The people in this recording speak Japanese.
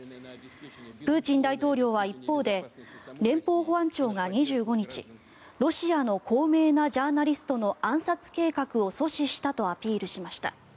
プーチン大統領は一方で連邦保安庁が２５日ロシアの高名なジャーナリストの暗殺計画を阻止したとアピールしました。